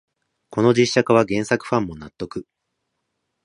この実写化は原作ファンも納得